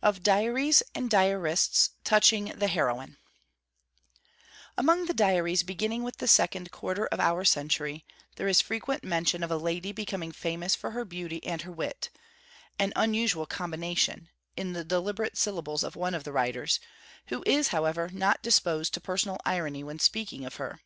OF DIARIES AND DIARISTS TOUCHING THE HEROINE Among the Diaries beginning with the second quarter of our century, there is frequent mention of a lady then becoming famous for her beauty and her wit: 'an unusual combination,' in the deliberate syllables of one of the writers, who is, however, not disposed to personal irony when speaking of her.